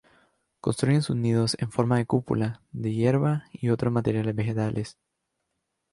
Construyen sus nidos en forma de cúpula, de hierba y otros materiales vegetales.